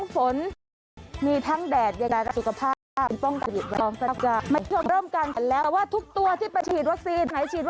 เพราะช่วงนี้